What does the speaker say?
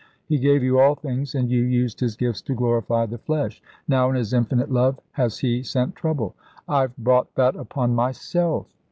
He gave you all things, and you used His gifts to glorify the flesh. Now in His infinite love has He sent trouble " "I've brought that upon myself."